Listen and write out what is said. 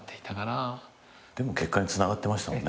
でも結果につながってましたもんね。